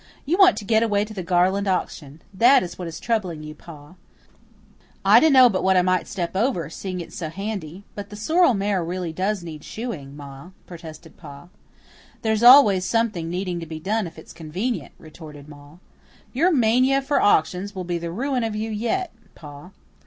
You want to get away to the Garland auction. That is what is troubling you, Pa Sloane." "I dunno but what I might step over, seeing it's so handy. But the sorrel mare really does need shoeing, Ma," protested Pa. "There's always something needing to be done if it's convenient," retorted Ma. "Your mania for auctions will be the ruin of you yet, Pa.